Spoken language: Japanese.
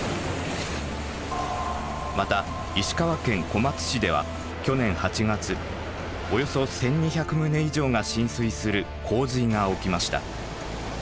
また石川県小松市では去年８月およそ１，２００棟以上が浸水する洪水が起きました。